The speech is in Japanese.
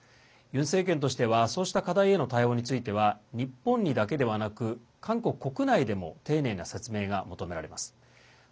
ユン政権としてはそうした課題への対応については日本にだけではなく韓国国内でも丁寧な説明が求められます。